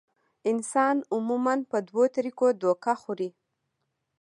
انسان عموماً پۀ دوه طريقو دوکه خوري -